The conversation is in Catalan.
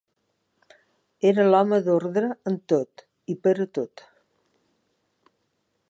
Era l'home d'ordre en tot i pera tot